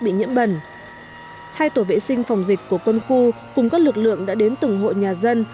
bị nhiễm bẩn hai tổ vệ sinh phòng dịch của quân khu cùng các lực lượng đã đến từng hội nhà dân